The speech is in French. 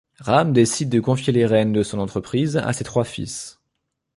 Ram décide de confier les rênes de son entreprise à ses trois fils.